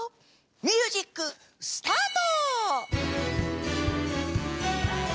ミュージックスタート！